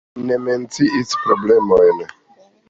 Li ne menciis problemojn.